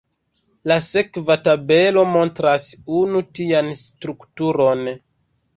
La sekva tabelo montras unu tian strukturon.